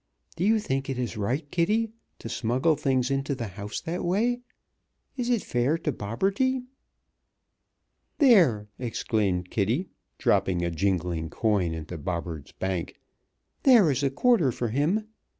"Do you think it is right, Kitty, to smuggle things into the house that way? Is it fair to Bobberty?" "There!" exclaimed Kitty, dropping a jingling coin into Bobberts' bank. "There is a quarter for him!